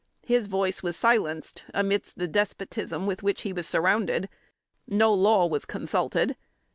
His voice was silenced amidst the despotism with which he was surrounded. No law was consulted.